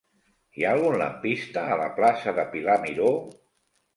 Hi ha algun lampista a la plaça de Pilar Miró?